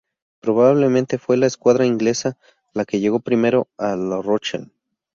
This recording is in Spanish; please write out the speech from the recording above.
Probablemente fue la escuadra inglesa la que llegó primero a La Rochelle.